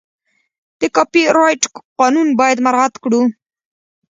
د کاپي رایټ قانون باید مراعت کړو.